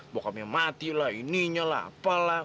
bokapnya mati lah ininya lah apalah